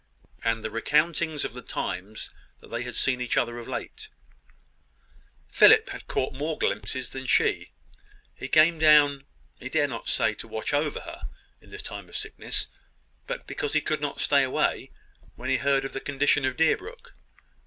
and the recountings of the times that they had seen each other of late. Philip had caught more glimpses than she. He came down he dared not say to watch over her in this time of sickness but because he could not stay away when he heard of the condition of Deerbrook.